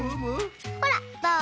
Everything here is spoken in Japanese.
ほらっどう？